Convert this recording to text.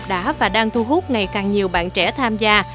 đã và đang thu hút ngày càng nhiều bạn trẻ tham gia